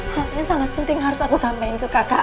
hal ini sangat penting harus aku sampaikan ke kakak